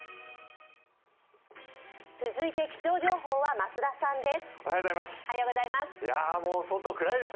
続いて気象情報は増田さんです。